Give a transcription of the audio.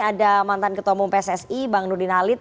ada mantan ketua umum pssi bang nurdin halid